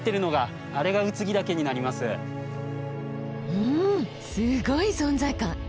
うんすごい存在感。